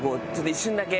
一瞬だけ。